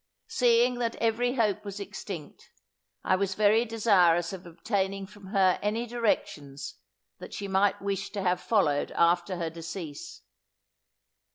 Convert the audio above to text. Seeing that every hope was extinct, I was very desirous of obtaining from her any directions, that she might wish to have followed after her decease.